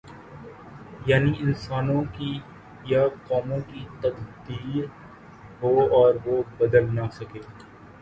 یعنی انسانوں کی یا قوموں کی تقدیر ہو اور وہ بدل نہ سکے۔